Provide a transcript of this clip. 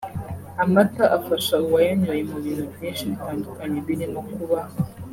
Amata afasha uwayanyoye mu bintu byinshi bitandukanye birimo kuba